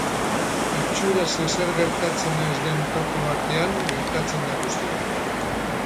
Itxuraz ezer gertatzen ez den toki batean gertatzen da guztia.